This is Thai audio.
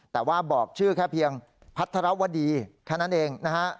แต่ว่าบอกชื่อแค่เพียงพัทรวดีแค่นั้นเองนะฮะ